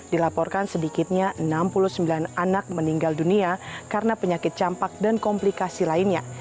dilaporkan sedikitnya enam puluh sembilan anak meninggal dunia karena penyakit campak dan komplikasi lainnya